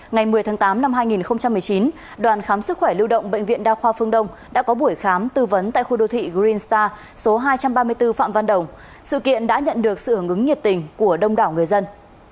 ngày một mươi tháng tám năm hai nghìn một mươi chín đoàn khám sức khỏe lưu động bệnh viện đa khoa phương đông đã có buổi khám tư vấn tại khu đô thị green star số hai trăm ba mươi bốn phạm văn đồng sự kiện đã nhận được sự ứng ứng nhiệt tình của đông đảo người dân